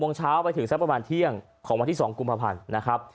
โมงเช้าไปถึงสักประมาณเที่ยงของวันที่๒กุมภาพันธ์นะครับ